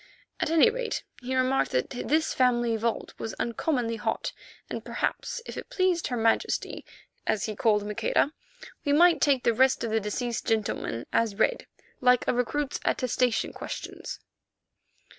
At any rate, he remarked that this family vault was uncommonly hot, and perhaps, if it pleased her Majesty, as he called Maqueda, we might take the rest of the deceased gentlemen as read, like a recruit's attestation questions.